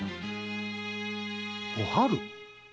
おはる？